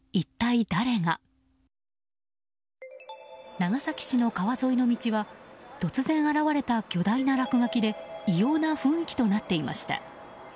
長崎市の川沿いの道は突然現れた巨大な落書きで異様な雰囲気となっていました。